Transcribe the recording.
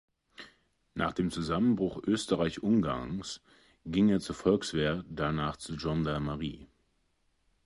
Nach dem Zusammenbruch Österreich-Ungarns ging er zur Volkswehr, danach zur Gendarmerie.